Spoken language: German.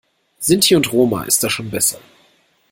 Sinti und Roma ist da schon besser.